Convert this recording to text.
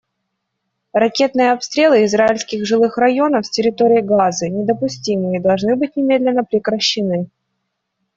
Ракетные обстрелы израильских жилых районов с территории Газы недопустимы и должны быть немедленно прекращены.